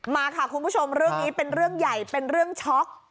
มาค่ะคุณผู้ชมเรื่องนี้เป็นเรื่องใหญ่เป็นเรื่องช็อก